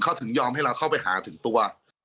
เขาถึงยอมให้เราเข้าไปหาถึงตัว